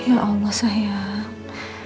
ya allah sayang